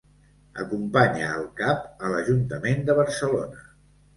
Acompanya el cap a l'Ajuntament de Barcelona.